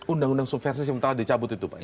undang undang subversif yang telah dicabut itu pak ya